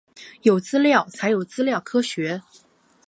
有资料才有资料科学